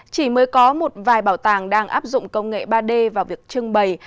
chỉ mới có một vài bảo tàng đang áp dụng công nghệ ba d vào việc trưng bày